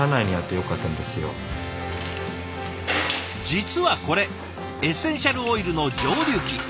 実はこれエッセンシャルオイルの蒸留機。